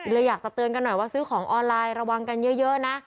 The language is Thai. เลยอยากจะเตือนกันหน่อยว่าซื้อของออนไลน์ระวังกันเยอะนะ